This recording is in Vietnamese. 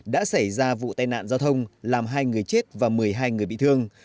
đã xảy ra vụ tai nạn giao thông làm hai người chết và một mươi hai người bị thương